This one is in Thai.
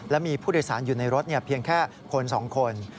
และมีผู้โดยสารอยู่ในรถเพียงแค่คน๒คน